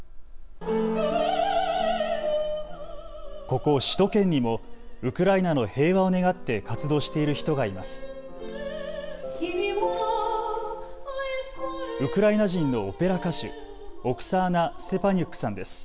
ここ首都圏にもウクライナの平和を願って活動している人がいます。